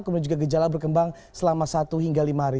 kemudian juga gejala berkembang selama setengah hari